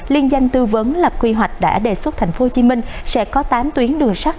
liên danh tư vấn lập quy hoạch đã đề xuất tp hcm sẽ có tám tuyến đường sắt